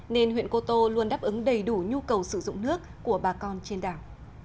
nên huyện cô tô luôn đáp ứng đầy đủ nhu cầu sử dụng nước của bà con trên đảo